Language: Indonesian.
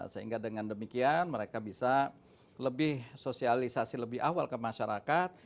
sehingga dengan demikian mereka bisa lebih sosialisasi lebih awal ke masyarakat